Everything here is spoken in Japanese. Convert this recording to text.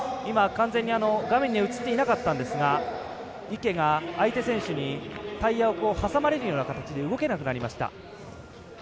画面には映っていませんでしたが池が相手選手にタイヤを挟まれるような形で動けなくなりました。